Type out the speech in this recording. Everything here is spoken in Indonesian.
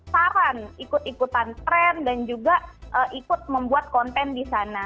saran ikut ikutan tren dan juga ikut membuat konten di sana